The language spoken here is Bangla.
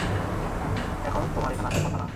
এখন তোমার এখানে আসার কথা না।